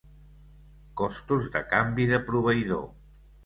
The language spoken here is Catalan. Costos de canvi de proveïdor.